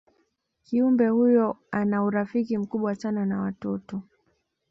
kiumbe huyo ana urafiki mkubwa sana na watoto